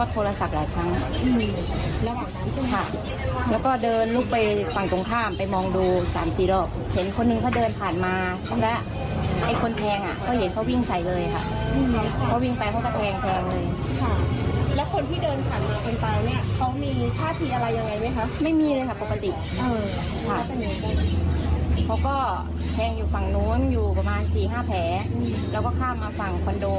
ถูกแทงและข้ามฝั่งคอนโดเขาก็ไปล้มอยู่ตรงนู้น